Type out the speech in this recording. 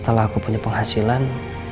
setelah aku punya penghasilan